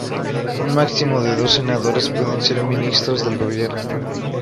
Un máximo de dos senadores pueden ser ministros del Gobierno.